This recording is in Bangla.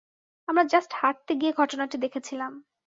আমরা জাস্ট হাঁটতে গিয়ে ঘটনাটি দেখেছিলাম।